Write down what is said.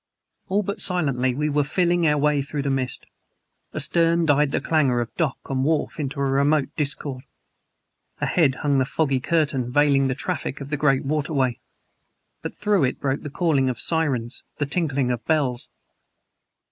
All but silently we were feeling our way through the mist. Astern died the clangor of dock and wharf into a remote discord. Ahead hung the foggy curtain veiling the traffic of the great waterway; but through it broke the calling of sirens, the tinkling of bells.